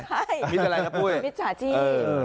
ใช่มิตรอะไรครับบุ๊ยมิตรสาชีพ